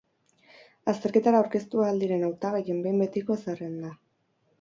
Azterketara aurkeztu ahal diren hautagaien behin betiko zerrenda.